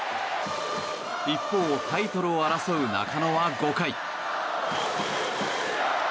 一方、タイトルを争う中野は５回。